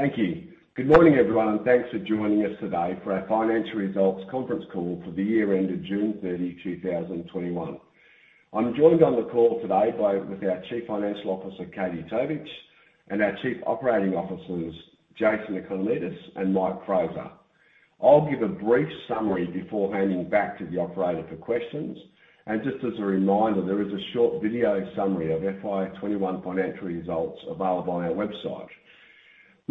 Thank you. Good morning, everyone, and thanks for joining us today for our financial results conference call for the year ended June 30, 2021. I'm joined on the call today with our Chief Financial Officer, Katie Tovich, and our Chief Operating Officers, Jason Economidis and Mike Fraser. I'll give a brief summary before handing back to the operator for questions. Just as a reminder, there is a short video summary of FY 2021 financial results available on our website.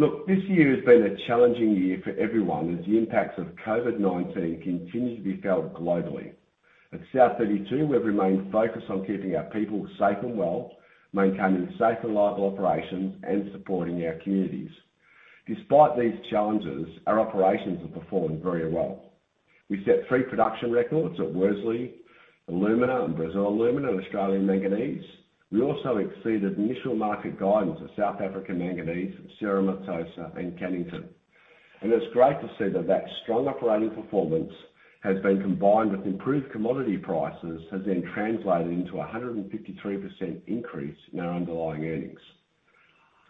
Look, this year has been a challenging year for everyone as the impacts of COVID-19 continue to be felt globally. At South32, we've remained focused on keeping our people safe and well, maintaining safe and reliable operations, and supporting our communities. Despite these challenges, our operations have performed very well. We set three production records at Worsley Alumina, Brazil Alumina, and Australia Manganese. We also exceeded initial market guidance at South Africa Manganese, Cerro Matoso, and Cannington. It's great to see that that strong operating performance has been combined with improved commodity prices, has then translated into 153% increase in our underlying earnings.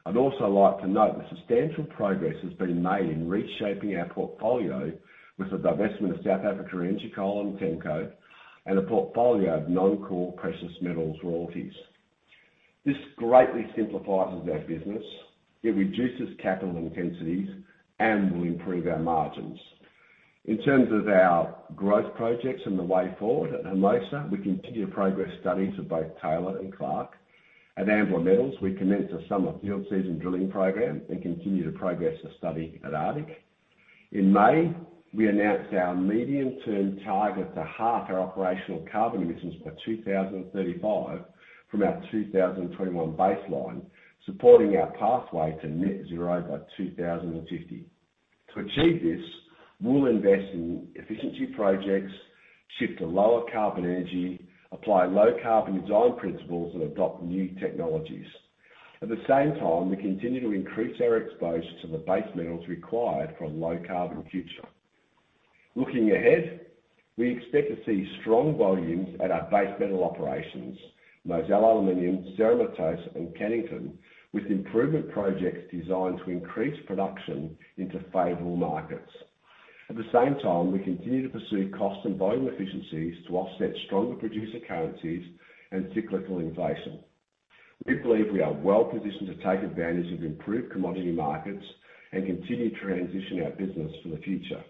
I'd also like to note the substantial progress that's been made in reshaping our portfolio with the divestment of South Africa Energy Coal and Temco, and a portfolio of non-core precious metals royalties. This greatly simplifies our business. It reduces capital intensities and will improve our margins. In terms of our growth projects and the way forward, at Hermosa, we continue to progress studies of both Taylor and Clark. At Ambler Metals, we commence the summer field season drilling program and continue to progress the study at Arctic. In May, we announced our medium-term target to half our operational carbon emissions by 2035 from our 2021 baseline, supporting our pathway to net zero by 2050. To achieve this, we'll invest in efficiency projects, shift to lower carbon energy, apply low-carbon design principles, and adopt new technologies. At the same time, we continue to increase our exposure to the base metals required for a low-carbon future. Looking ahead, we expect to see strong volumes at our base metal operations, Mozal Aluminium, Cerro Matoso, and Cannington, with improvement projects designed to increase production into favorable markets. At the same time, we continue to pursue cost and volume efficiencies to offset stronger producer currencies and cyclical inflation. We believe we are well-positioned to take advantage of improved commodity markets and continue to transition our business for the future,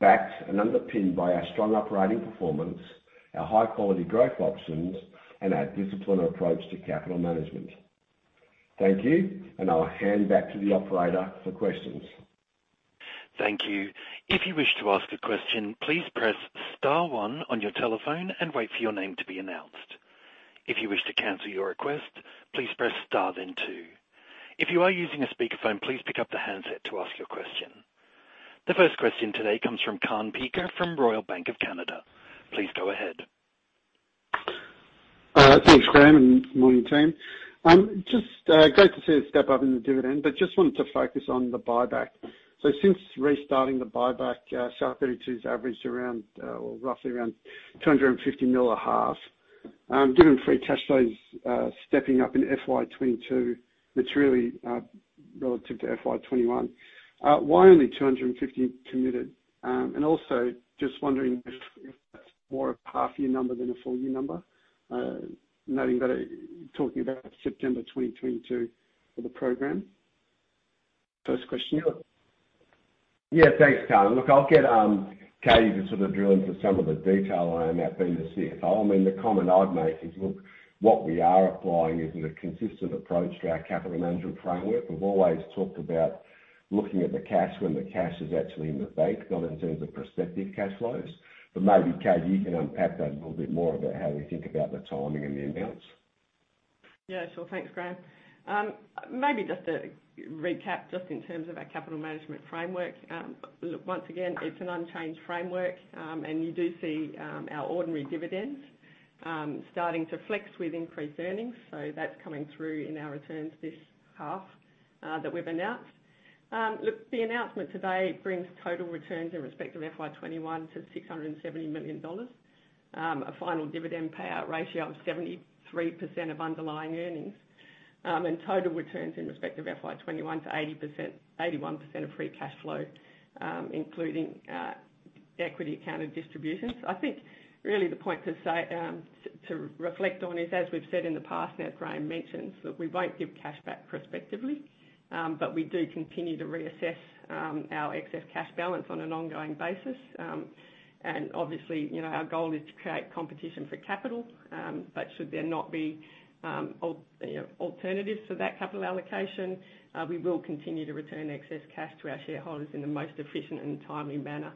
backed and underpinned by our strong operating performance, our high-quality growth options, and our disciplined approach to capital management. Thank you, and I'll hand back to the operator for questions. Thank you. If you wish to ask a question, please press star one on your telephone and wait for your name to be announced. If you wish to cancel your request, please press star then two. If you are using a speakerphone, please pick up the handset to ask your question. The first question today comes from Kaan Peker from Royal Bank of Canada. Please go ahead. Thanks, Graham. Morning, team. Just great to see a step up in the dividend. Wanted to focus on the buyback. Since restarting the buyback, South32's averaged roughly around $250 million a half. Given free cash flows stepping up in FY 2022, materially relative to FY 2021, why only $250 committed? Also just wondering if that's more a half-year number than a full-year number, noting that talking about September 2022 for the program? First question. Yeah. Thanks, Kaan. Look, I'll get Katie to sort of drill into some of the detail on that being the CFO. I mean, the comment I'd make is, look, what we are applying is a consistent approach to our capital management framework. We've always talked about looking at the cash when the cash is actually in the bank, not in terms of prospective cash flows. Maybe, Katie, you can unpack that a little bit more about how we think about the timing and the amounts. Yeah, sure. Thanks, Graham. Maybe just to recap, just in terms of our capital management framework. Look, once again, it's an unchanged framework, you do see our ordinary dividends starting to flex with increased earnings. That's coming through in our returns this half that we've announced. Look, the announcement today brings total returns in respect of FY 2021 to $670 million. A final dividend payout ratio of 73% of underlying earnings, total returns in respect of FY 2021 to 81% of free cash flow, including equity accounted distributions. I think really the point to reflect on is, as we've said in the past, and as Graham mentioned, look, we won't give cash back prospectively, but we do continue to reassess our excess cash balance on an ongoing basis. Obviously, our goal is to create competition for capital. Should there not be alternatives for that capital allocation, we will continue to return excess cash to our shareholders in the most efficient and timely manner.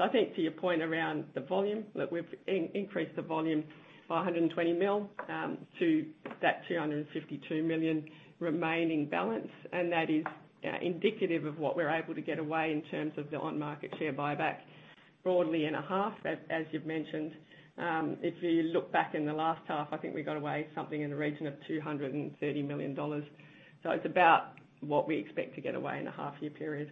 I think to your point around the volume, look, we've increased the volume by $120 million to that $252 million remaining balance, and that is indicative of what we're able to get away in terms of the on-market share buyback broadly in a half. As you've mentioned, if you look back in the last half, I think we got away something in the region of $230 million. It's about what we expect to get away in a half-year period.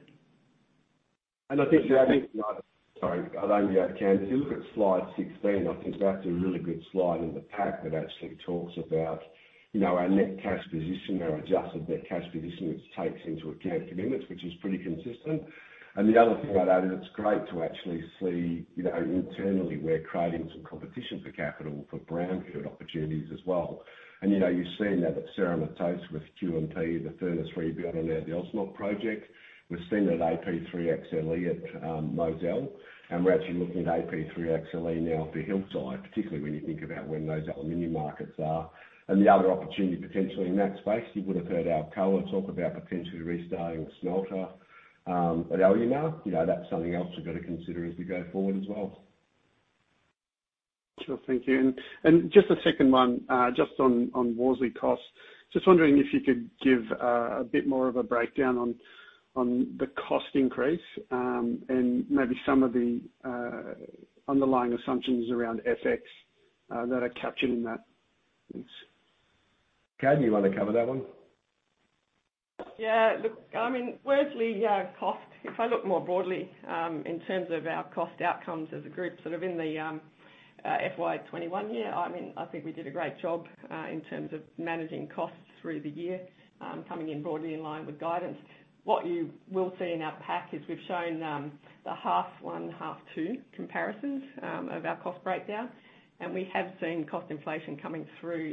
Sorry, I'll only be able to count. If you look at slide 16, I think that's a really good slide in the pack that actually talks about our net cash position, our adjusted net cash position, which takes into account commitments, which is pretty consistent. The other thing I'd add is it's great to actually see, internally, we're creating some competition for capital for brownfield opportunities as well. You've seen that with Serpentine, with Q&P, the furnace rebuild and now the [Usmog] project. We've seen it at AP3XLE at Mozal, and we're actually looking at AP3XLE now for Hillside, particularly when you think about when those aluminum markets are. The other opportunity potentially in that space, you would have heard Alcoa talk about potentially restarting a smelter at Alumar. That's something else we've got to consider as we go forward as well. Sure. Thank you. Just a second one, just on Worsley costs. Just wondering if you could give a bit more of a breakdown on the cost increase, and maybe some of the underlying assumptions around FX that are captured in that please. Katie, do you want to cover that one? Look, Worsley cost, if I look more broadly in terms of our cost outcomes as a group, sort of in the FY 2021 year, I think we did a great job in terms of managing costs through the year, coming in broadly in line with guidance. What you will see in our pack is we've shown the half one, half two comparisons of our cost breakdown. We have seen cost inflation coming through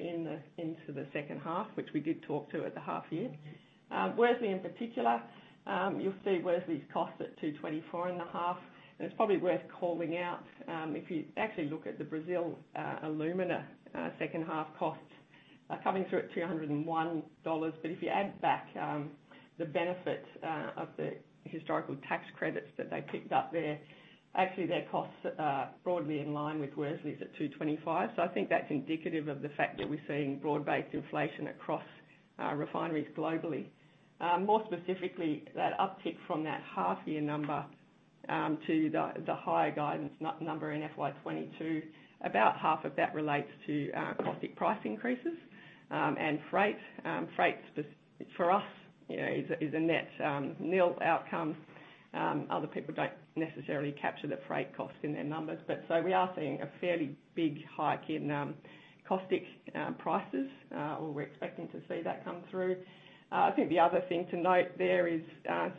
into the second half, which we did talk to at the half year. Worsley in particular, you'll see Worsley's cost at 224 and a half. If you actually look at the Brazil Alumina second half cost are coming through at $201. If you add back the benefit of the historical tax credits that they picked up there, actually their costs are broadly in line with Worsley's at $225. I think that's indicative of the fact that we're seeing broad-based inflation across refineries globally. More specifically, that uptick from that half-year number to the higher guidance number in FY 2022, about half of that relates to caustic price increases and freight. Freight for us is a net nil outcome. Other people don't necessarily capture the freight cost in their numbers. We are seeing a fairly big hike in caustic prices, or we're expecting to see that come through. I think the other thing to note there is,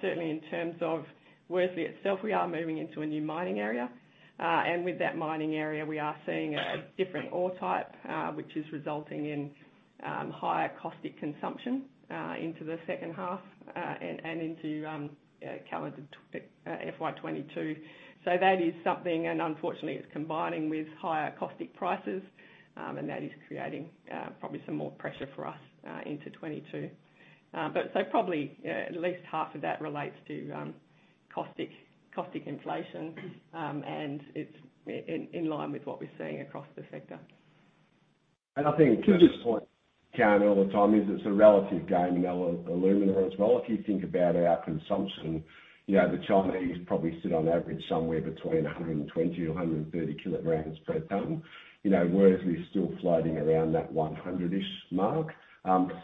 certainly in terms of Worsley itself, we are moving into a new mining area. With that mining area, we are seeing a different ore type, which is resulting in higher caustic consumption into the second half and into calendar FY 2022. That is something, and unfortunately it's combining with higher caustic prices, and that is creating probably some more pressure for us into 2022. Probably at least half of that relates to caustic inflation, and it's in line with what we're seeing across the sector. I think to this point, Katie, all the time is it’s a relative game in alumina as well. If you think about our consumption, the Chinese probably sit on average somewhere between 120 kg or 130 kg per ton. Worsley is still floating around that 100-ish mark,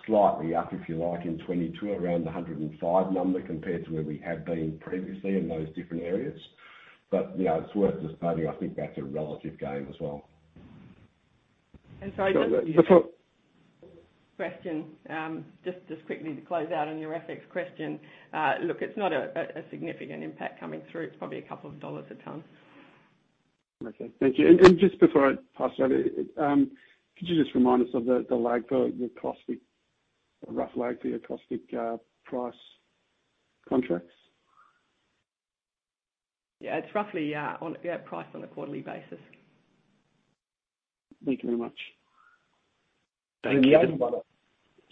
slightly up, if you like, in 2022, around 105 number compared to where we had been previously in those different areas. It’s worth just noting, I think that’s a relative game as well. And sorry, just- Before- Question, just quickly to close out on your FX question. Look, it's not a significant impact coming through. It's probably a couple of dollars a ton. Okay. Thank you. Just before I pass you over, could you just remind us of the lag for the caustic, the rough lag for your caustic price contracts? Yeah. It's roughly priced on a quarterly basis. Thank you very much. The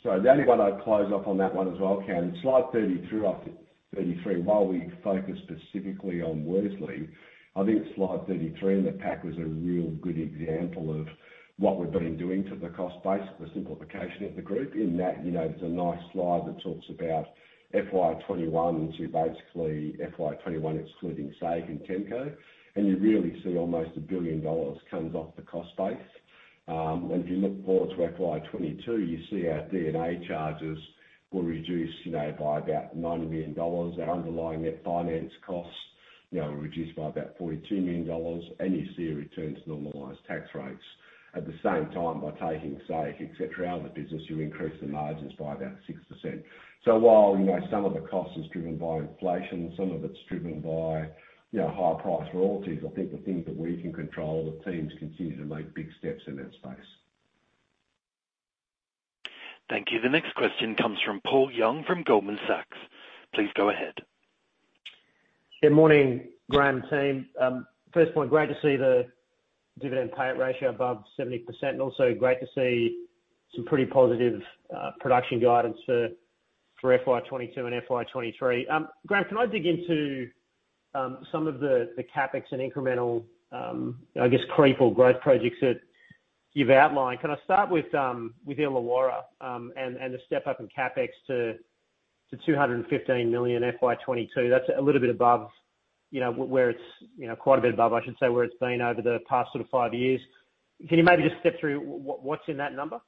only one I'd close off on that one as well, Katie, slide 32, 33, while we focus specifically on Worsley, I think slide 33 in the pack was a real good example of what we've been doing to the cost base, the simplification of the group, in that there's a nice slide that talks about FY 2021 to basically FY 2021 excluding SAEC and TEMCO. You really see almost $1 billion comes off the cost base. If you look forward to FY22, you see our D&A charges will reduce by about $90 million. Our underlying net finance costs will reduce by about $42 million. You see a return to normalized tax rates. At the same time, by taking SAEC, et cetera, out of the business, you increase the margins by about 6%. While some of the cost is driven by inflation, some of it's driven by higher-priced royalties, I think the things that we can control, the teams continue to make big steps in that space. Thank you. The next question comes from Paul Young from Goldman Sachs. Please go ahead. Good morning, Graham team. First point, great to see the dividend payout ratio above 70% and also great to see some pretty positive production guidance for FY 2022 and FY 2023. Graham, can I dig into some of the CapEx and incremental, I guess, creep or growth projects that you've outlined? Can I start with Illawarra and the step-up in CapEx to $215 million FY 2022? That's a little bit above, quite a bit above, I should say, where it's been over the past sort of five years. Can you maybe just step through what's in that number?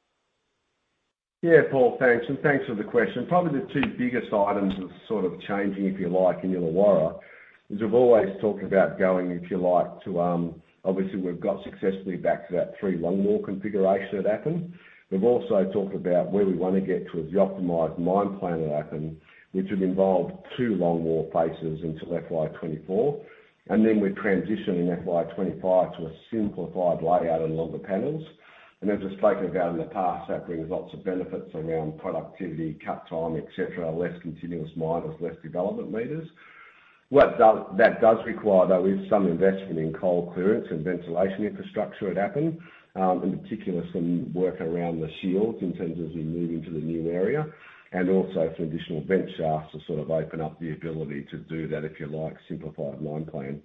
Paul, thanks. Thanks for the question. Probably the two biggest items of sort of changing, if you like, in Illawarra, is we've always talked about going, if you like, to Obviously, we've got successfully back to that three longwall configuration at Appin. We've also talked about where we want to get to as the optimized mine plan at Appin, which would involve two longwall faces until FY 2024, and then we transition in FY 2025 to a simplified layout along the panels. As I've spoken about in the past, that brings lots of benefits around productivity, cut time, et cetera, less continuous miners, less development meters. That does require, though, is some investment in coal clearance and ventilation infrastructure at Appin, in particular, some work around the shields in terms of you moving to the new area, and also some additional bench shafts to sort of open up the ability to do that, if you like, simplified mine plan.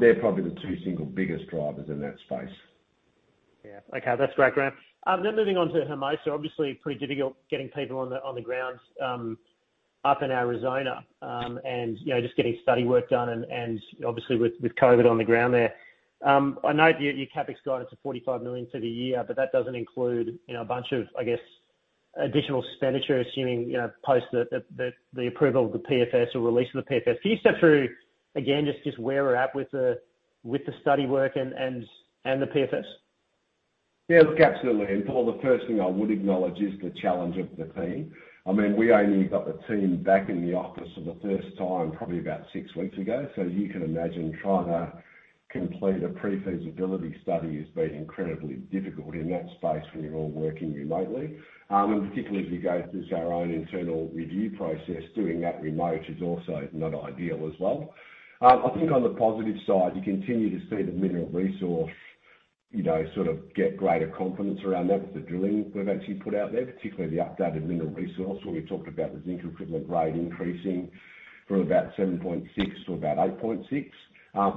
They're probably the two single biggest drivers in that space. Okay, that's great, Graham. Moving on to Hermosa. Obviously, pretty difficult getting people on the ground up in Arizona, and just getting study work done and, obviously, with COVID on the ground there. I note your CapEx guide is at $45 million for the year, but that doesn't include a bunch of, I guess, additional expenditure, assuming, post the approval of the PFS or release of the PFS. Can you step through again just where we're at with the study work and the PFS? Yeah, look, absolutely. Paul, the first thing I would acknowledge is the challenge of the team. We only got the team back in the office for the first time, probably about six weeks ago. You can imagine trying to complete a pre-feasibility study has been incredibly difficult in that space when you're all working remotely. Particularly as we go through our own internal review process, doing that remote is also not ideal as well. I think on the positive side, you continue to see the mineral resource, sort of get greater confidence around that with the drilling we've actually put out there, particularly the updated mineral resource where we talked about the zinc equivalent grade increasing from about 7.6 to about 8.6.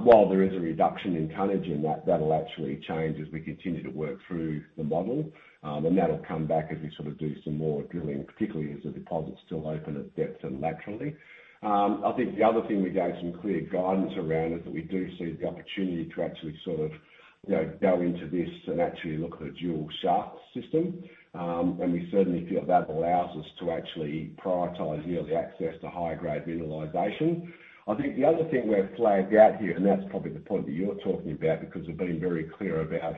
While there is a reduction in tonnage, and that'll actually change as we continue to work through the model. That'll come back as we sort of do some more drilling, particularly as the deposit's still open at depth and laterally. I think the other thing we gave some clear guidance around is that we do see the opportunity to actually sort of go into this and actually look at a dual shaft system. We certainly feel that allows us to actually prioritize early access to high-grade mineralization. I think the other thing we've flagged out here, and that's probably the point that you're talking about, because we've been very clear about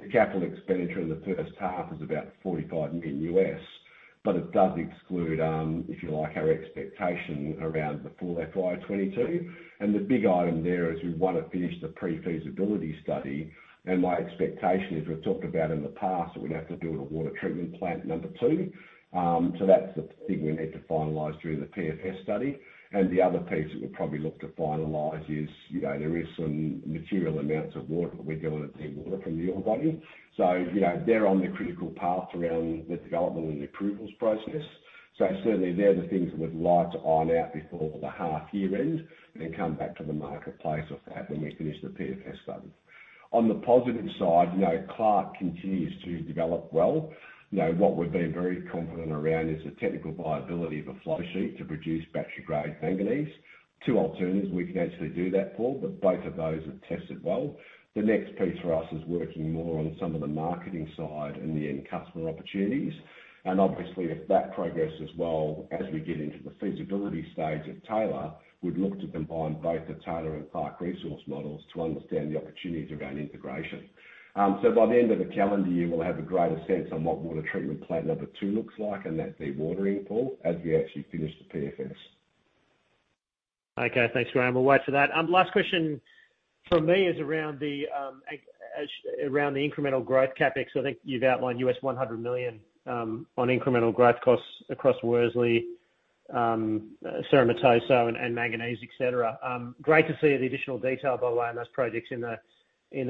the capital expenditure in the first half is about $45 million, but it does exclude, if you like, our expectation around the full FY 2022. The big item there is we want to finish the pre-feasibility study. My expectation is, we've talked about in the past, that we'd have to build a water treatment plant number two. That's the thing we need to finalize during the PFS study. The other piece that we'll probably look to finalize is, there is some material amounts of water. We're going to need water from the ore body. They're on the critical path around the development and approvals process. Certainly, they're the things that we'd like to iron out before the half year end and come back to the marketplace off the back when we finish the PFS study. On the positive side, Clark continues to develop well. What we've been very confident around is the technical viability of a flow sheet to produce battery grade manganese. Two alternatives, we can actually do that, Paul, but both of those have tested well. The next piece for us is working more on some of the marketing side and the end customer opportunities. Obviously, if that progresses well, as we get into the feasibility stage at Taylor, we'd look to combine both the Taylor and Clark resource models to understand the opportunities around integration. By the end of the calendar year, we'll have a greater sense on what water treatment plant number two looks like, and that dewatering, Paul, as we actually finish the PFS. Okay. Thanks, Graham. We'll wait for that. Last question from me is around the incremental growth CapEx. I think you've outlined $100 million on incremental growth costs across Worsley, Cerro Matoso, and Manganese, et cetera. Great to see the additional detail, by the way, on those projects in the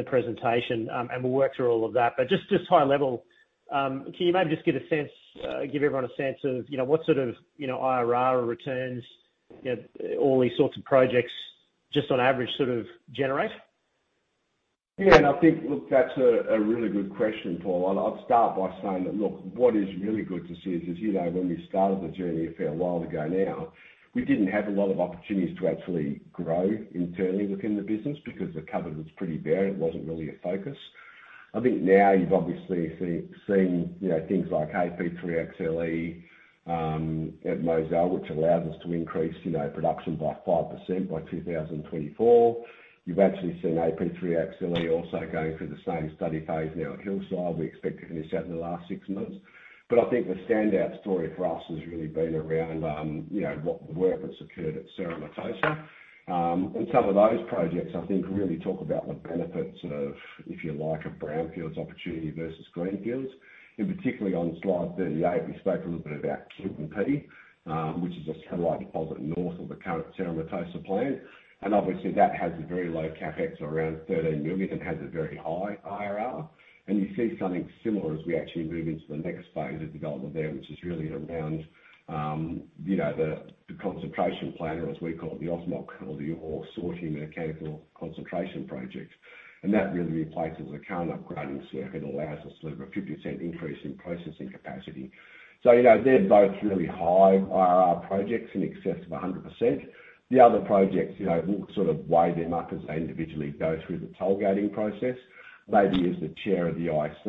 presentation. We'll work through all of that. Just high level, can you maybe just give everyone a sense of what sort of IRR or returns all these sorts of projects just on average sort of generate? Yeah, I think, look, that's a really good question, Paul. I'll start by saying that, look, what is really good to see is, as you know, when we started the journey a fair while ago now, we didn't have a lot of opportunities to actually grow internally within the business because the cupboard was pretty bare and it wasn't really a focus. I think now you've obviously seen things like AP3XLE at Mozal, which allows us to increase production by 5% by 2024. You've actually seen AP3XLE also going through the same study phase now at Hillside. We expect to finish that in the last six months. I think the standout story for us has really been around the work that's occurred at Cerro Matoso. Some of those projects, I think, really talk about the benefits of, if you like, a brownfields opportunity versus greenfields. In particular, on slide 38, we spoke a little bit about Q&P, which is a satellite deposit north of the current Cerro Matoso plant. Obviously, that has a very low CapEx around $13 million and has a very high IRR. You see something similar as we actually move into the next phase of development there, which is really around the concentration plant, or as we call it, the OSMOC or the Ore Sorting Mechanical Concentration project. That really replaces the current upgrading circuit and allows us sort of a 50% increase in processing capacity. They're both really high IRR projects in excess of 100%. The other projects, we'll sort of weigh them up as they individually go through the toll gating process. Maybe as the chair of the IC,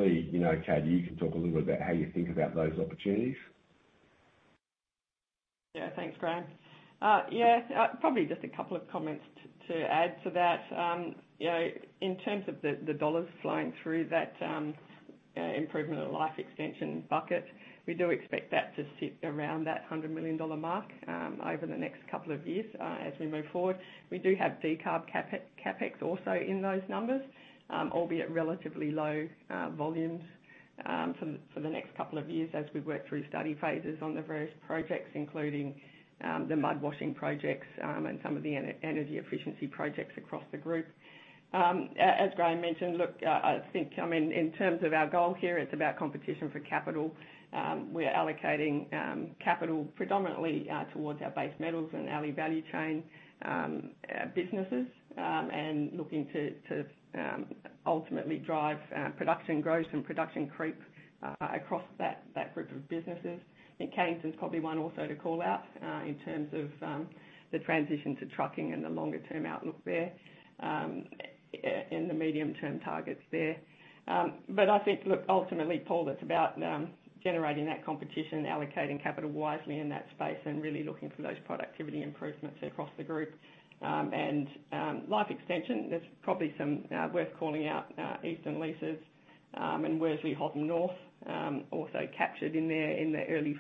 Katie, you can talk a little bit about how you think about those opportunities. Thanks, Graham. Probably just two comments to add to that. In terms of the USD flowing through that improvement and life extension bucket, we do expect that to sit around that $100 million mark over the next two years as we move forward. We do have decarb CapEx also in those numbers, albeit relatively low volumes, for the next two years as we work through study phases on the various projects, including the mud washing projects and some of the energy efficiency projects across the group. As Graham mentioned, I think in terms of our goal here, it's about competition for capital. We're allocating capital predominantly towards our base metals and ally value chain businesses, and looking to ultimately drive production growth and production creep across that group of businesses. I think Cannington's probably one also to call out in terms of the transition to trucking and the longer-term outlook there, and the medium-term targets there. I think, look, ultimately, Paul, it's about generating that competition, allocating capital wisely in that space and really looking for those productivity improvements across the group. Life extension, there's probably some worth calling out, Eastern Leases and Worsley North also captured in their early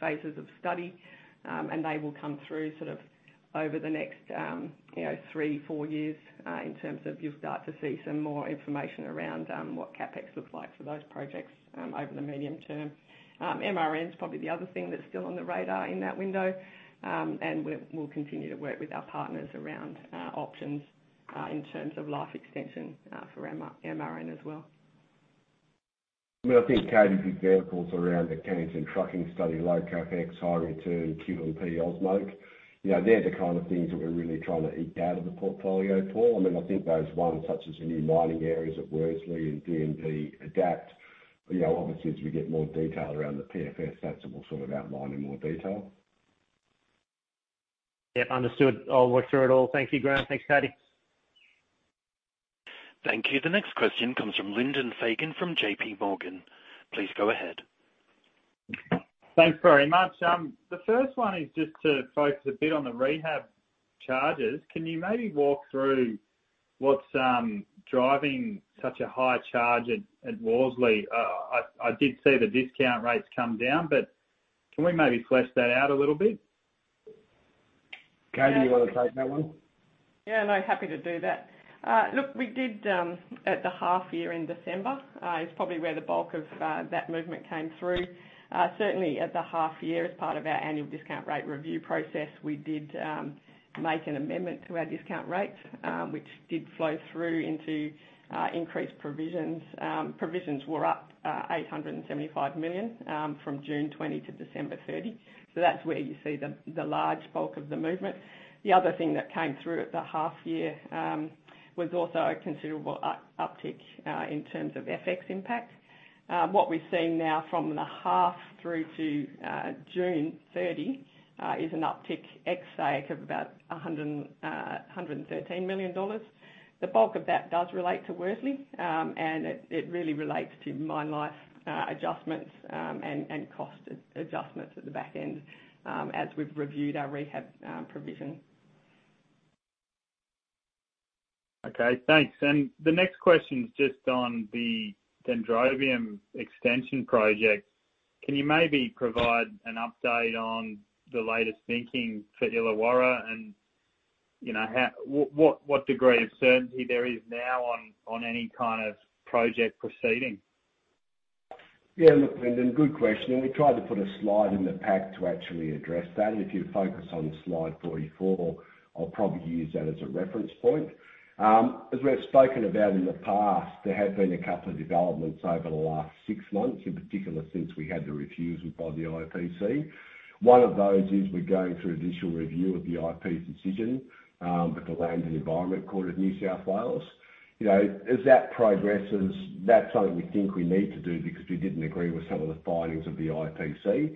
phases of study. They will come through over the next three, four years in terms of you'll start to see some more information around what CapEx looks like for those projects over the medium term. MRN is probably the other thing that's still on the radar in that window. We'll continue to work with our partners around options in terms of life extension for MRN as well. I think, Katie, the vehicles around the Cannington trucking study, low CapEx, high return, Q&P, OSMOC. They're the kind of things that we're really trying to eke out of the portfolio, Paul. I think those ones such as the new mining areas at Worsley and DND Adapt. Obviously, as we get more detail around the PFS, that's what we'll outline in more detail. Yeah. Understood. I'll work through it all. Thank you, Graham. Thanks, Katie. Thank you. The next question comes from Lyndon Fagan from JPMorgan. Please go ahead. Thanks very much. The first one is just to focus a bit on the rehab charges. Can you maybe walk through what's driving such a high charge at Worsley? I did see the discount rates come down, but can we maybe flesh that out a little bit? Katie, do you want to take that one? Yeah, happy to do that. Look, we did at the half year in December, is probably where the bulk of that movement came through. Certainly, at the half year, as part of our annual discount rate review process, we did make an amendment to our discount rate, which did flow through into increased provisions. Provisions were up $875 million from June 20 to December 30. That's where you see the large bulk of the movement. The other thing that came through at the half year was also a considerable uptick in terms of FX impact. What we're seeing now from the half through to June 30 is an uptick ex AE of about $113 million. The bulk of that does relate to Worsley, and it really relates to mine life adjustments and cost adjustments at the back end as we've reviewed our rehab provision. Okay, thanks. The next question is just on the Dendrobium extension project. Can you maybe provide an update on the latest thinking for Illawarra and what degree of certainty there is now on any kind of project proceeding? Yeah, look, Lyndon, good question. We tried to put a slide in the pack to actually address that. If you focus on slide 44, I'll probably use that as a reference point. As we've spoken about in the past, there have been a couple of developments over the last six months, in particular, since we had the refusal by the IPC. 1 of those is we're going through additional review of the IPC decision at the Land and Environment Court of New South Wales. As that progresses, that's something we think we need to do because we didn't agree with some of the findings of the IPC.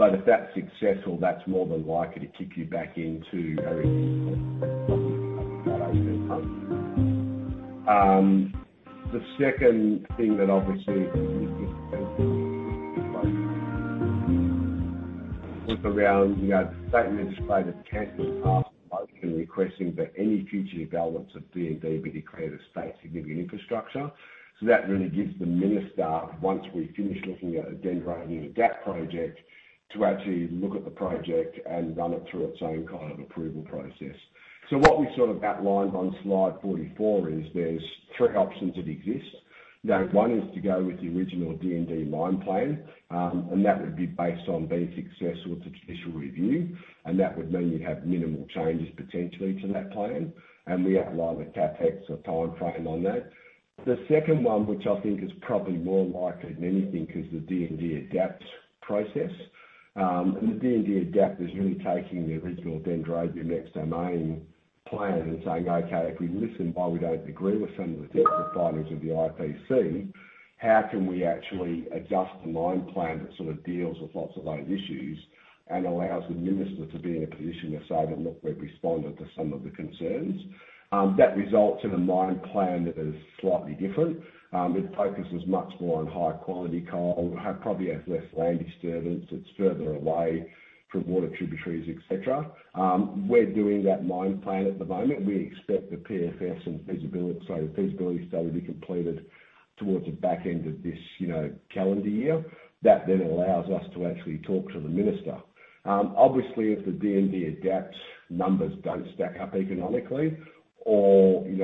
If that's successful, that's more than likely to kick you back into having. The second thing that obviously was around the state legislative council passing, requesting that any future developments of DND be declared a State Significant Infrastructure. That really gives the minister, once we finish looking at a Dendrobium Adapt project, to actually look at the project and run it through its own kind of approval process. What we outlined on slide 44 is there's three options that exist. One is to go with the original DND mine plan, and that would be based on being successful at the judicial review, and that would mean you'd have minimal changes potentially to that plan, and we outline the CapEx or timeframe on that. The second one, which I think is probably more likely than anything, is the DND Adapt process. The DND Adapt is really taking the original Dendrobium Next Domain plan and saying, "Okay, if we listen, while we don't agree with some of the findings of the IPC, how can we actually adjust the mine plan that sort of deals with lots of those issues, and allows the minister to be in a position to say that, 'Look, we've responded to some of the concerns'?" That results in a mine plan that is slightly different. Its focus is much more on high-quality coal. Probably has less land disturbance. It's further away from water tributaries, et cetera. We're doing that mine plan at the moment. We expect the PFS and feasibility study to be completed towards the back end of this calendar year. That allows us to actually talk to the minister. Obviously, if the DND Adapt numbers don't stack up economically or we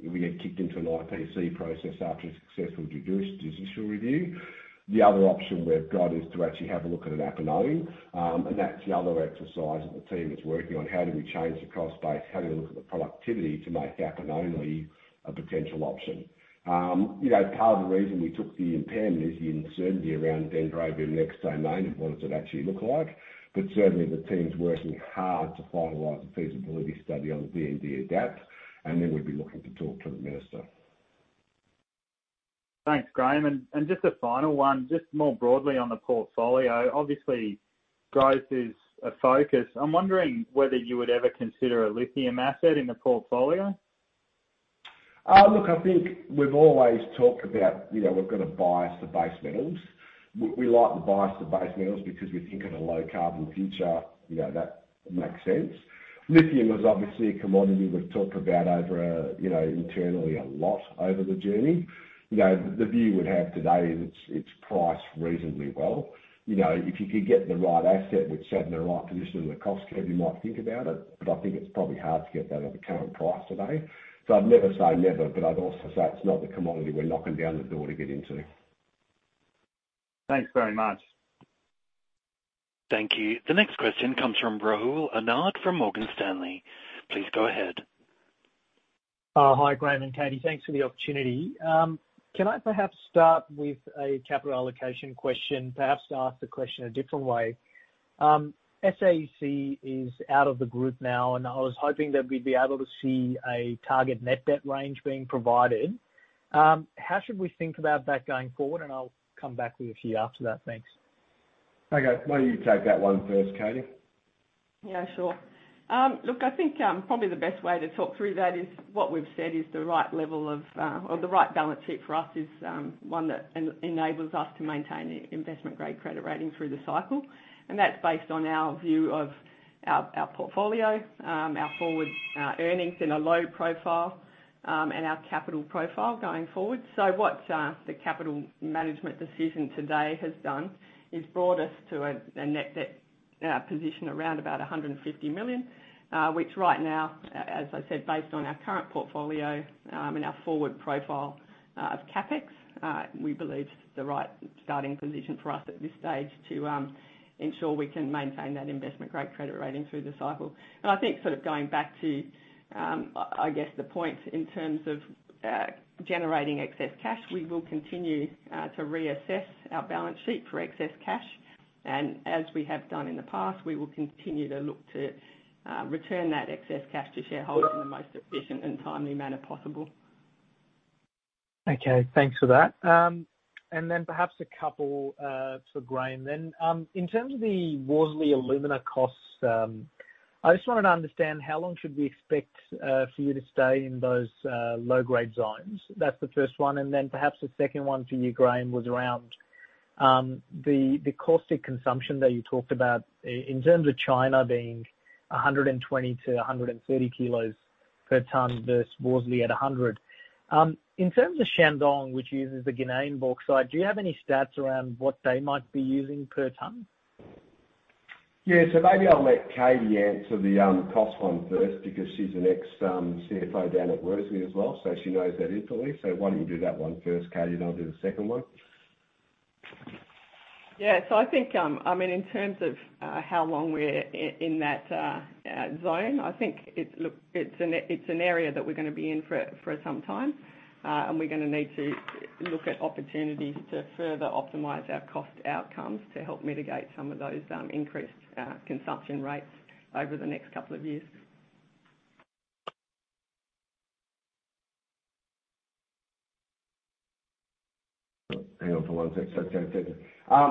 get kicked into an IPC process after a successful judicial review, the other option we've got is to actually have a look at an Appin. That's the other exercise that the team is working on. How do we change the cost base? How do we look at the productivity to make Appin a potential option? Part of the reason we took the impairment is the uncertainty around Dendrobium Next Domain and what does it actually look like. Certainly, the team's working hard to finalize the feasibility study on DND Adapt, we'd be looking to talk to the minister. Thanks, Graham. Just a final one, just more broadly on the portfolio. Obviously, growth is a focus. I am wondering whether you would ever consider a lithium asset in the portfolio. I think we've always talked about, we've got a bias to base metals. We like the bias to base metals because we think in a low-carbon future, that makes sense. Lithium is obviously a commodity we've talked about internally a lot over the journey. The view we'd have today is it's priced reasonably well. If you could get the right asset which sat in the right position in the cost curve, you might think about it, I think it's probably hard to get that at the current price today. I'd never say never, I'd also say it's not the commodity we're knocking down the door to get into. Thanks very much. Thank you. The next question comes from Rahul Anand from Morgan Stanley. Please go ahead. Hi, Graham and Katie. Thanks for the opportunity. Can I perhaps start with a capital allocation question? Perhaps ask the question a different way. SAC is out of the group now, and I was hoping that we'd be able to see a target net debt range being provided. How should we think about that going forward? I'll come back with you after that. Thanks. Okay. Why don't you take that one first, Katie? Yeah, sure. Look, I think probably the best way to talk through that is what we've said is the right balance sheet for us is one that enables us to maintain investment-grade credit rating through the cycle. That's based on our view of our portfolio, our forward earnings and our low profile, and our capital profile going forward. What the capital management decision today has done is brought us to a net debt position around about $150 million. Which right now, as I said, based on our current portfolio, and our forward profile of CapEx, we believe is the right starting position for us at this stage to ensure we can maintain that investment-grade credit rating through the cycle. I think going back to, I guess, the point in terms of generating excess cash, we will continue to reassess our balance sheet for excess cash. As we have done in the past, we will continue to look to return that excess cash to shareholders in the most efficient and timely manner possible. Okay. Thanks for that. Perhaps a couple for Graham then. In terms of the Worsley Alumina costs, I just wanted to understand how long should we expect for you to stay in those low-grade zones? That's the first one. Perhaps the second one for you, Graham, was around the caustic consumption that you talked about. In terms of China being 120-130 kg per ton versus Worsley at 100. In terms of Shandong, which uses the Guinean bauxite, do you have any stats around what they might be using per ton? Yeah. Maybe I'll let Katie answer the cost one first because she's an ex-CFO down at Worsley as well, so she knows that internally. Why don't you do that one first, Katie, then I'll do the second one. Yeah. I think in terms of how long we're in that zone, I think it's an area that we're going to be in for some time. We're going to need to look at opportunities to further optimize our cost outcomes to help mitigate some of those increased consumption rates over the next couple of years. Hang on for one sec. Sorry.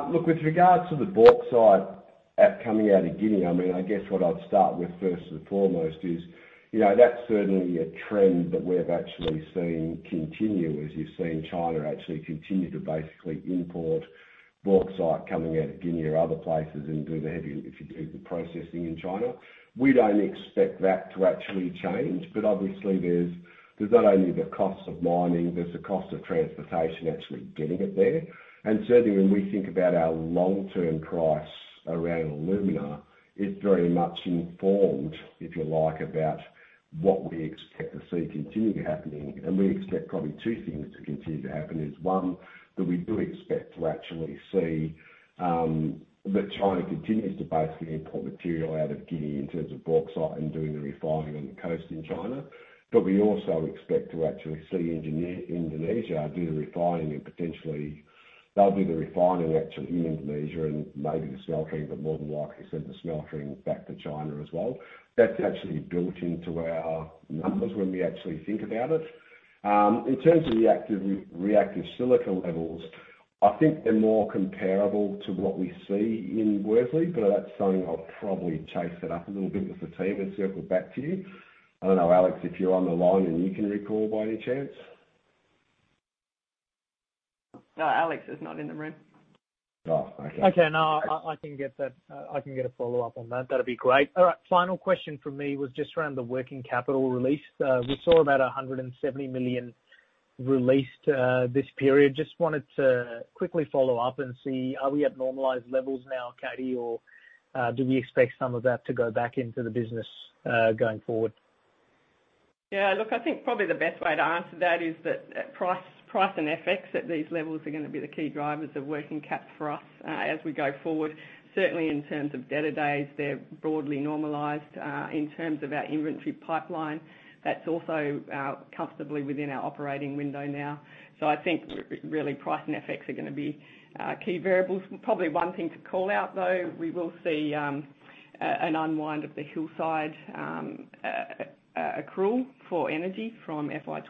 Look, with regards to the bauxite coming out of Guinea, I guess what I'd start with first and foremost is, that's certainly a trend that we've actually seen continue as you've seen China actually continue to basically import bauxite coming out of Guinea or other places and do the heavy lifting, do the processing in China. We don't expect that to actually change. Obviously, there's not only the cost of mining, there's the cost of transportation actually getting it there. Certainly, when we think about our long-term price around alumina, it's very much informed, if you like, about what we expect to see continue to happening. We expect probably two things to continue to happen is, one, that we do expect to actually see that China continues to basically import material out of Guinea in terms of bauxite and doing the refining on the coast in China. We also expect to actually see Indonesia do the refining and potentially they'll do the refining actually in Indonesia and maybe the smelting, but more than likely send the smelting back to China as well. That's actually built into our numbers when we actually think about it. In terms of the reactive silica levels, I think they're more comparable to what we see in Worsley, but that's something I'll probably chase it up a little bit with the team and circle back to you. I don't know, Alex, if you're on the line and you can recall by any chance? No, Alex is not in the room. Oh, okay. Okay. No, I can get a follow-up on that. That'd be great. All right. Final question from me was just around the working capital release. We saw about $170 million released this period. Just wanted to quickly follow up and see, are we at normalized levels now, Katie? Or do we expect some of that to go back into the business, going forward? Yeah, look, I think probably the best way to answer that is that price and FX at these levels are going to be the key drivers of working cap for us as we go forward. Certainly in terms of debtor days, they're broadly normalized. In terms of our inventory pipeline, that's also comfortably within our operating window now. I think really price and FX are going to be key variables. Probably one thing to call out, though, we will see an unwind of the Hillside accrual for energy from FY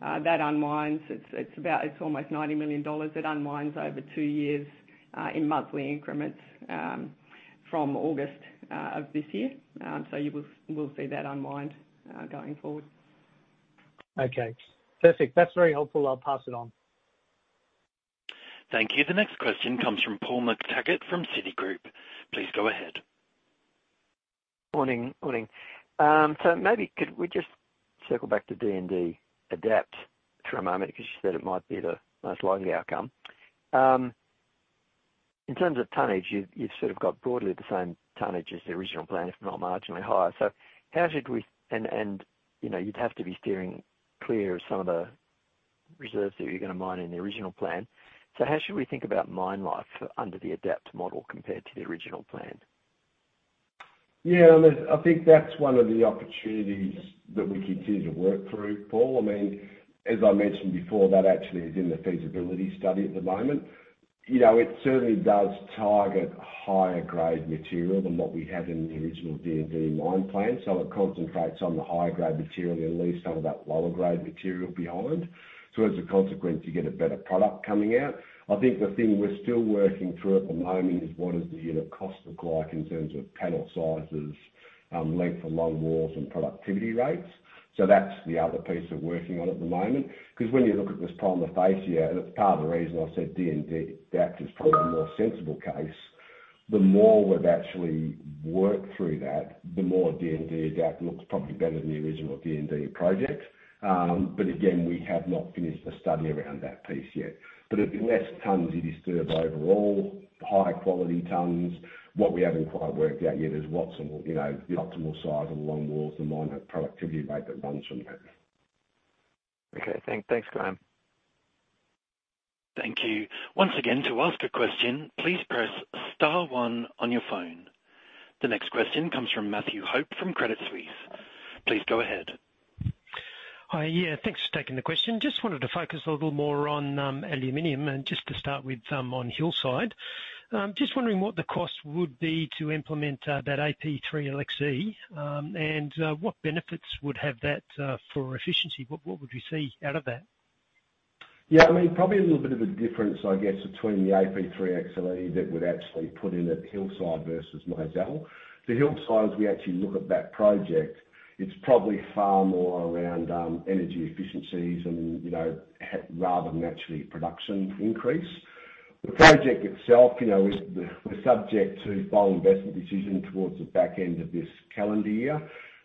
2021. It's almost $90 million. It unwinds over two years, in monthly increments from August of this year. You will see that unwind, going forward. Okay, perfect. That's very helpful. I'll pass it on. Thank you. The next question comes from Paul McTaggart from Citigroup. Please go ahead. Morning. Maybe could we just circle back to DND Adapt for a moment, because you said it might be the most likely outcome. In terms of tonnage, you've sort of got broadly the same tonnage as the original plan, if not marginally higher. You'd have to be steering clear of some of the reserves that you're going to mine in the original plan. How should we think about mine life under the Adapt model compared to the original plan? I think that's one of the opportunities that we continue to work through, Paul. As I mentioned before, that actually is in the feasibility study at the moment. It certainly does target higher-grade material than what we had in the original DND mine plan. It concentrates on the higher-grade material and leaves some of that lower-grade material behind. As a consequence, you get a better product coming out. I think the thing we're still working through at the moment is what does the unit cost look like in terms of panel sizes, length of long walls and productivity rates. That's the other piece we're working on at the moment. When you look at this problem in the face here, and it's part of the reason I said DND Adapt is probably the more sensible case. The more we've actually worked through that, the more DND Adapt looks probably better than the original DND project. Again, we have not finished the study around that piece yet. The less tonnes you disturb overall, higher quality tonnes. What we haven't quite worked out yet is the optimal size of the long walls, the mine productivity rate that runs from that. Okay. Thanks, Graham. Thank you. The next question comes from Matthew Hope from Credit Suisse. Please go ahead. Hi. Yeah, thanks for taking the question. Just wanted to focus a little more on aluminum and just to start with on Hillside. Just wondering what the cost would be to implement that AP3XLE, and what benefits would have that for efficiency. What would we see out of that? Probably a little bit of a difference, I guess, between the AP3XLE that we'd actually put in at Hillside versus Mozal. For Hillside, as we actually look at that project, it's probably far more around energy efficiencies rather than actually production increase. The project itself is subject to final investment decision towards the back end of this calendar year.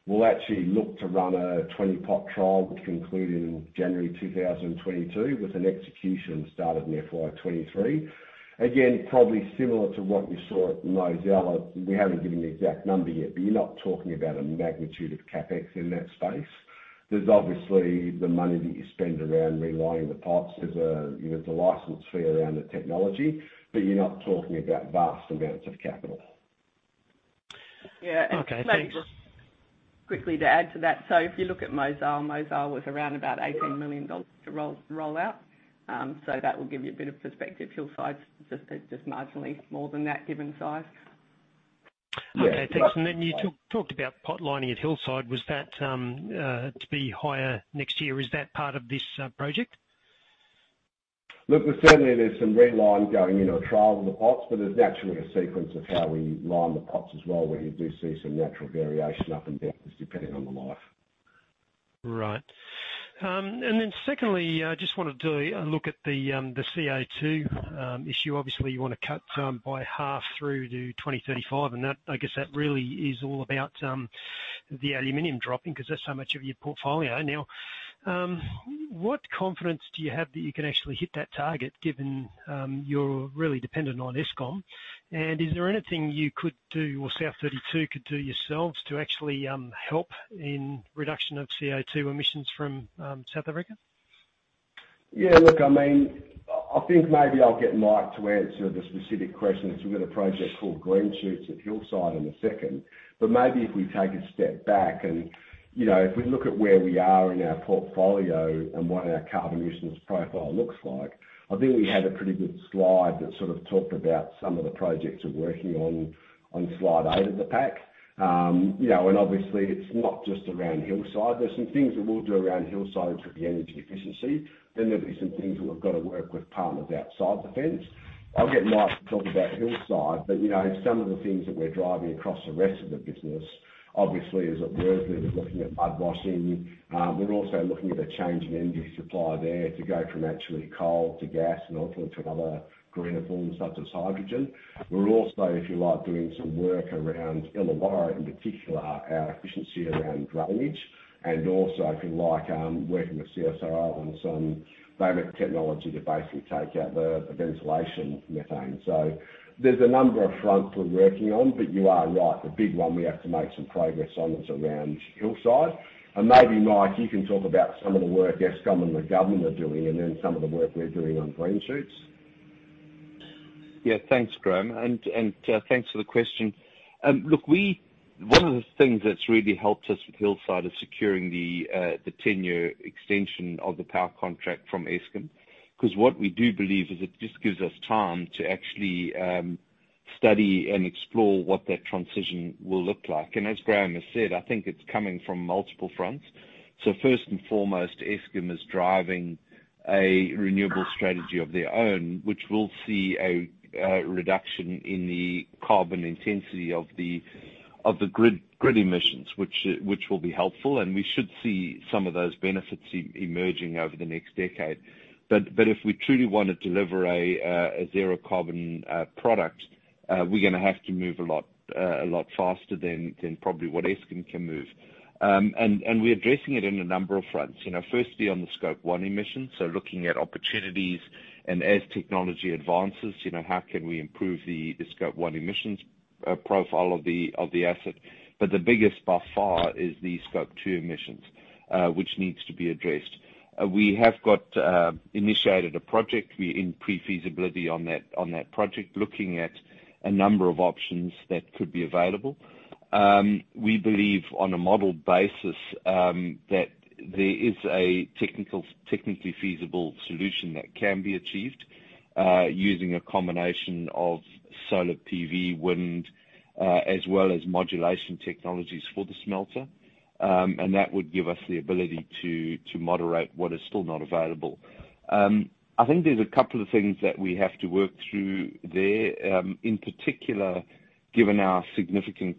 We'll actually look to run a 20-pot trial to conclude in January 2022 with an execution start in FY 2023. Again, probably similar to what we saw at Mozal. We haven't given the exact number yet, you're not talking about a magnitude of CapEx in that space. There's obviously the money that you spend around relining the pots. There's a license fee around the technology, you're not talking about vast amounts of capital. Okay. Thanks. Quickly to add to that. If you look at Mozal was around about $18 million to roll out. That will give you a bit of perspective. Hillside's just marginally more than that given size. Yeah. Okay. Thanks. You talked about pot lining at Hillside. Was that to be higher next year? Is that part of this project? Certainly there's some red line going into a trial of the pots, but there's naturally a sequence of how we line the pots as well, where you do see some natural variation up and down, just depending on the life. Right. Secondly, I just wanted to look at the CO2 issue. Obviously, you want to cut by half through to 2035, and I guess that really is all about the aluminum dropping because that's how much of your portfolio. Now, what confidence do you have that you can actually hit that target given you're really dependent on Eskom? Is there anything you could do, or South32 could do yourselves to actually help in reduction of CO2 emissions from South Africa? Yeah. Look, I think maybe I'll get Mike Fraser to answer the specific question, because we've got a project called Green Shoots at Hillside Aluminium in a second. Maybe if we take a step back, and if we look at where we are in our portfolio and what our carbon emissions profile looks like, I think we have a pretty good slide that sort of talked about some of the projects we're working on slide eight of the pack. Obviously, it's not just around Hillside Aluminium. There's some things that we'll do around Hillside Aluminium with the energy efficiency, then there'll be some things where we've got to work with partners outside the fence. I'll get Mike Fraser to talk about Hillside Aluminium, but some of the things that we're driving across the rest of the business, obviously, is at Worsley, we're looking at mud washing. We're also looking at a change in energy supply there to go from actually coal to gas and ultimately to another greener form such as hydrogen. We're also, if you like, doing some work around Illawarra, in particular our efficiency around drainage, and also, if you like, working with CSIRO on some technology to basically take out the ventilation methane. There's a number of fronts we're working on, but you are right, the big one we have to make some progress on is around Hillside. Maybe, Mike, you can talk about some of the work Eskom and the government are doing, and then some of the work we're doing on Green Shoots. Thanks, Graham, and thanks for the question. Look, one of the things that's really helped us with Hillside is securing the 10-year extension of the power contract from Eskom, because what we do believe is it just gives us time to actually study and explore what that transition will look like. As Graham has said, I think it's coming from multiple fronts. First and foremost, Eskom is driving a renewable strategy of their own, which will see a reduction in the carbon intensity of the grid emissions, which will be helpful, and we should see some of those benefits emerging over the next decade. If we truly want to deliver a zero-carbon product, we're going to have to move a lot faster than probably what Eskom can move. We're addressing it in a number of fronts. Firstly, on the Scope 1 emissions, looking at opportunities and as technology advances, how can we improve the Scope 1 emissions profile of the asset? The biggest by far is the Scope 2 emissions, which needs to be addressed. We have got initiated a project. We're in pre-feasibility on that project, looking at a number of options that could be available. We believe on a model basis, that there is a technically feasible solution that can be achieved, using a combination of solar PV, wind, as well as modulation technologies for the smelter, and that would give us the ability to moderate what is still not available. I think there's a couple of things that we have to work through there, in particular, given our significant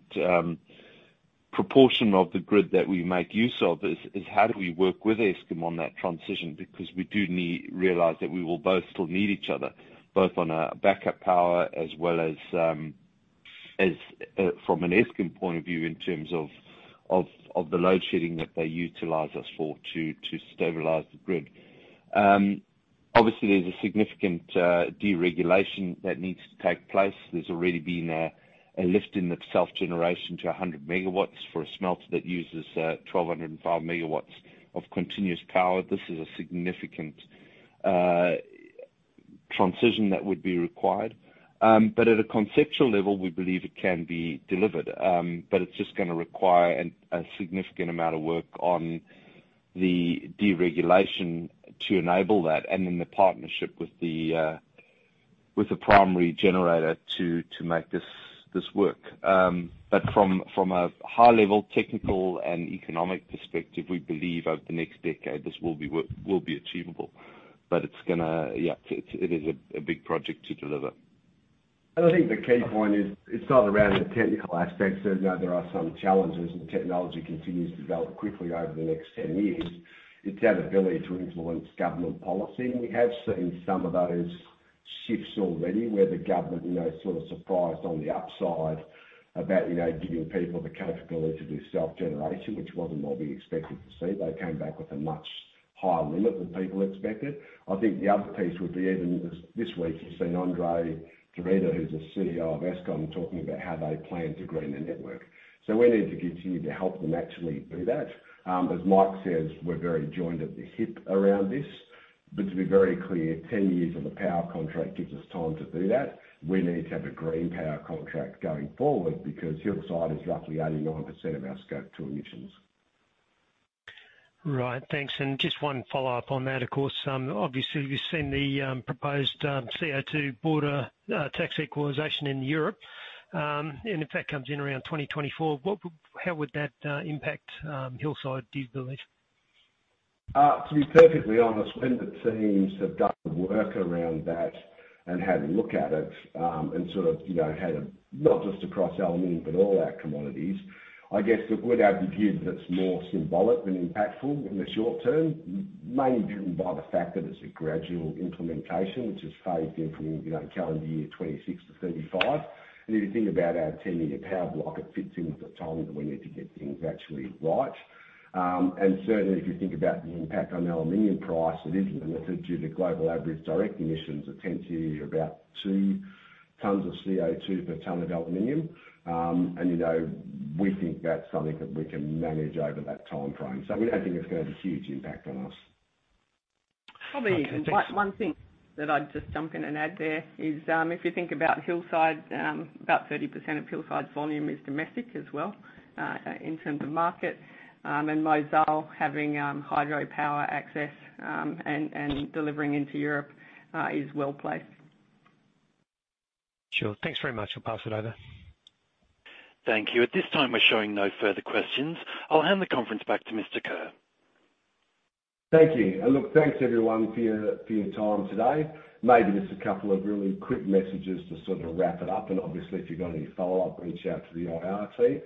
proportion of the grid that we make use of, is how do we work with Eskom on that transition? We do realize that we will both still need each other, both on a backup power as well as from an Eskom point of view in terms of the load shedding that they utilize us for to stabilize the grid. Obviously, there's a significant deregulation that needs to take place. There's already been a lift in the self-generation to 100 MW for a smelter that uses 1,205 MW of continuous power. This is a significant transition that would be required. At a conceptual level, we believe it can be delivered. It's just going to require a significant amount of work on the deregulation to enable that and then the partnership with the primary generator to make this work. From a high-level technical and economic perspective, we believe over the next decade this will be achievable. It is a big project to deliver. I think the key point is it's not around the technical aspect. Certainly, there are some challenges, and technology continues to develop quickly over the next 10 years. It's our ability to influence government policy. We have seen some of those shifts already where the government sort of surprised on the upside about giving people the capability to do self-generation, which wasn't what we expected to see. They came back with a much higher limit than people expected. I think the other piece would be even this week you've seen André de Ruyter, who's the CEO of Eskom, talking about how they plan to green the network. We need to continue to help them actually do that. As Mike says, we're very joined at the hip around this. To be very clear, 10 years of a power contract gives us time to do that. We need to have a green power contract going forward because Hillside is roughly 89% of our Scope 2 emissions. Right. Thanks. Just one follow-up on that. Of course, obviously we've seen the proposed CO2 border tax equalization in Europe. If that comes in around 2024, how would that impact Hillside, do you believe? To be perfectly honest, when the teams have done the work around that and had a look at it, and sort of not just across aluminium, but all our commodities. I guess the broad overview, that's more symbolic than impactful in the short term, mainly driven by the fact that it's a gradual implementation which is phased in from calendar year 2026 to 2035. If you think about our 10-year power block, it fits in with the time that we need to get things actually right. Certainly, if you think about the impact on aluminium price, it is limited due to global average direct emissions of 10 years, about 2 tons of CO2 per ton of aluminium. We think that's something that we can manage over that timeframe. We don't think it's going to have a huge impact on us. Okay. Thanks. Probably one thing that I'd just jump in and add there is, if you think about Hillside, about 30% of Hillside's volume is domestic as well, in terms of market. Mozal having hydropower access, and delivering into Europe, is well-placed. Sure. Thanks very much. I'll pass it over. Thank you. At this time, we're showing no further questions. I'll hand the conference back to Mr. Kerr. Thank you. Look, thanks, everyone, for your time today. Maybe just a couple of really quick messages to sort of wrap it up, and obviously, if you've got any follow-up, reach out to the IR team.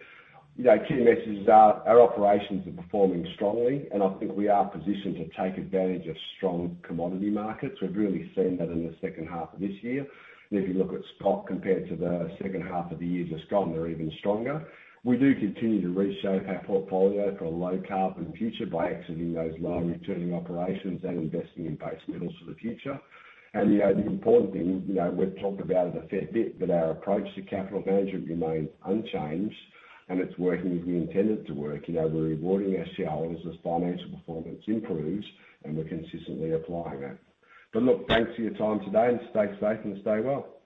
Key messages are our operations are performing strongly, and I think we are positioned to take advantage of strong commodity markets. We've really seen that in the second half of this year. If you look at spot compared to the second half of the years gone, they're even stronger. We do continue to reshape our portfolio for a low-carbon future by exiting those low-returning operations and investing in base metals for the future. The important thing, we've talked about it a fair bit, but our approach to capital management remains unchanged, and it's working as we intended to work. We're rewarding our shareholders as financial performance improves, and we're consistently applying that. Look, thanks for your time today, and stay safe and stay well.